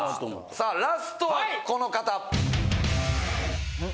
さあラストはこの方！